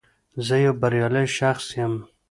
زه یو بریالی شخص یم